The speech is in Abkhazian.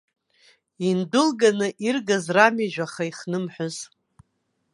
Индәылганы иргаз рами жәаха ихнымҳәыз.